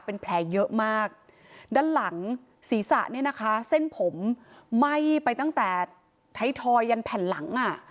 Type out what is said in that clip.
เป็นแผลเยอะมากด้านหลังศีรษะเนี่ยนะคะเส้นผมไหม้ไปตั้งแต่ท้ายทอยยันแผ่นหลังอ่ะ